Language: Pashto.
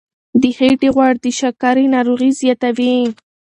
د خېټې غوړ د شکرې ناروغي زیاتوي.